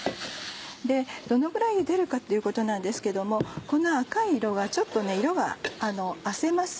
どのぐらいゆでるかっていうことなんですけどもこの赤い色がちょっと褪せます。